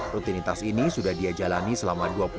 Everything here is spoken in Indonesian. rutinitas ini sudah diajalani selama berapa tahun